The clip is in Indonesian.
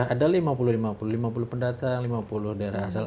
ada lima puluh lima puluh pendatang lima puluh daerah asal